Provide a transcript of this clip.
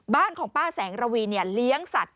บ้านของป้าแสงระวีเลี้ยงสัตว